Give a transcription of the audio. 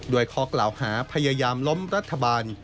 ด้วยคอกเหล่าหาพยายามล้มรัฐบาล